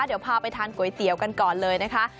เดี๋ยวพาไปทานก๋วยเตี๋ยวกันก่อนเลยนะคะ